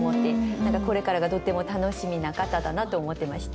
何かこれからがとっても楽しみな方だなと思ってました。